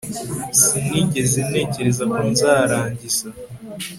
Sinigeze ntekereza ko nzarangiza